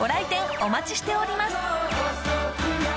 お待ちしております！